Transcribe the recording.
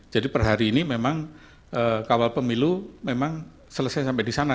jadi per hari ini memang kawal pemilu memang selesai sampai di sana